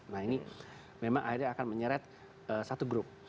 nah ini memang akhirnya akan menyeret satu grup